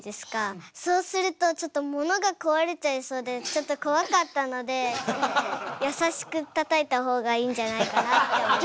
そうするとちょっとものが壊れちゃいそうでちょっと怖かったので優しくたたいた方がいいんじゃないかなって思いました。